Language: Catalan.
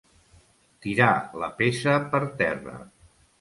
Tirar la peça per terra.